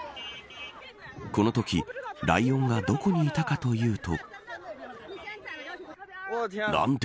このとき、ライオンがどこにいたかというと。